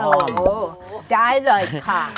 โอ้โหได้เลยค่ะ